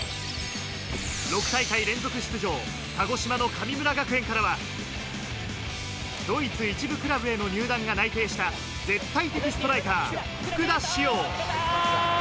６大会連続出場、鹿児島の神村学園からはドイツ１部クラブへの入団が内定した絶対的ストライカー・福田師王。